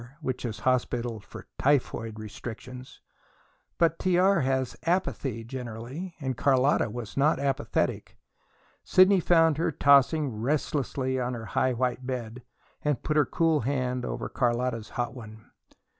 which is hospital for "typhoid restrictions." But T.R. has apathy, generally, and Carlotta was not apathetic. Sidney found her tossing restlessly on her high white bed, and put her cool hand over Carlotta's hot one.